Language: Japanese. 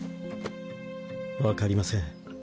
分かりません